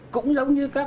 cũng giống như các